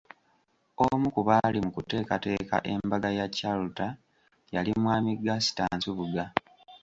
Omu ku baali mu kuteekateeka embaga ya Chalter yali Mwami Gaster Nsubuga.